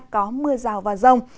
có mưa rào và rồng